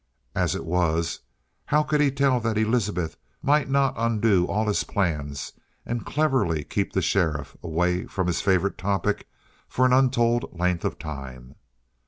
As it was, how could he tell that Elizabeth might not undo all his plans and cleverly keep the sheriff away from his favorite topic for an untold length of time?